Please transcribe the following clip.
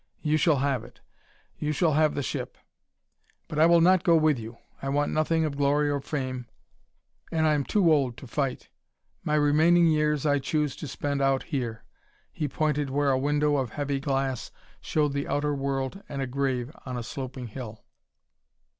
You shall have it. You shall have the ship! But I will not go with you. I want nothing of glory or fame, and I am too old to fight. My remaining years I choose to spend out here." He pointed where a window of heavy glass showed the outer world and a grave on a sloping hill.